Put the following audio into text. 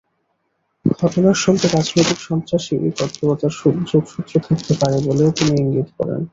ঘটনার সঙ্গে রাজনৈতিক সন্ত্রাসী তৎপরতার যোগসূত্র থাকতে পারে বলেও তিনি ইঙ্গিত করেন।